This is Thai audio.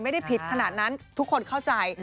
ไม่ได้ผิดขนาดนั้นทุกคนเข้าใจ